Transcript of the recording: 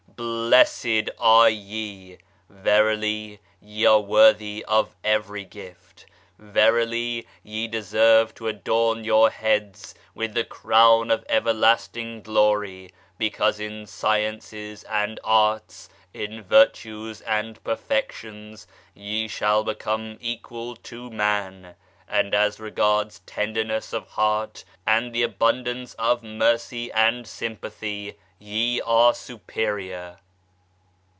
Blessed are ye ! Verily ye are worthy of every gift. Verily ye deserve to adorn your heads with the crown of everlasting glory, because in sciences and arts, in virtues and perfections ye shall become equal to man, and as regards tenderness of heart and the abundance of mercy and sympathy ye are superior."